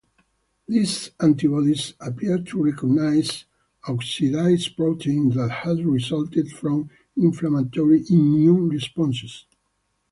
These antibodies appear to recognize oxidized protein that has resulted from inflammatory immune responses.